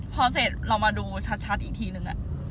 พอเสร็จเรามาดูชัดอีกทีนึง